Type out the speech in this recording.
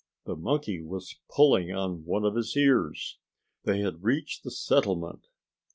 The monkey was pulling on one of his ears; they had reached the settlement.